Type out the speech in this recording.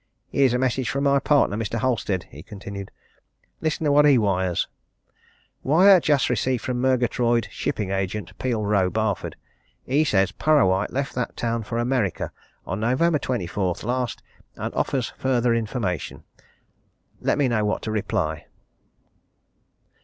"Here's a message from my partner, Mr. Halstead," he continued. "Listen to what he wires: "'Wire just received from Murgatroyd, shipping agent, Peel Row, Barford. He says Parrawhite left that town for America on November 24th last and offers further information. Let me know what to reply!'"